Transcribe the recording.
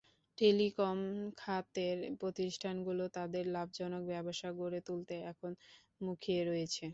Telecom খাতের প্রতিষ্ঠানগুলো তাদের লাভজনক ব্যবসা গড়ে তুলতে এখন মুখিয়ে রয়েছে।